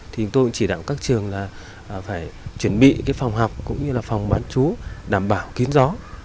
thì chúng tôi chỉ đạo các trường là phải chuẩn bị phòng học cũng như là phòng bán chú đảm bảo kín gió